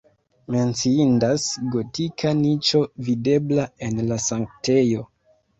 Menciindas gotika niĉo videbla en la sanktejo.